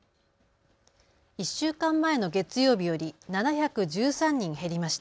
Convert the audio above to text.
１週間前の月曜日より７１３人減りました。